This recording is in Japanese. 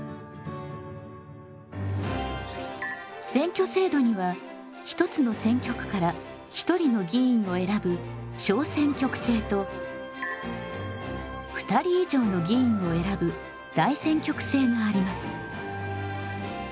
選挙制度にはひとつの選挙区から１人の議員を選ぶ小選挙区制と２人以上の議員を選ぶ大選挙区制があります。